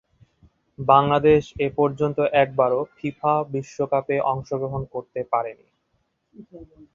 বাংলাদেশ এপর্যন্ত একবারও ফিফা বিশ্বকাপে অংশগ্রহণ করতে পারেনি।